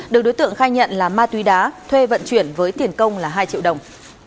được đối tượng khai nhận là ma túy đá thuê vận chuyển với tiền công là hai triệu đồng